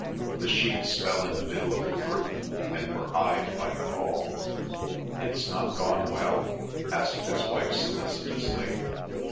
The sheets fell in the middle of the group, and were eyed by them all. "It's not gone well?" asked his wife solicitously.